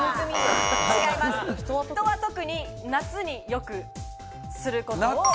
人は特に、夏によくすることです。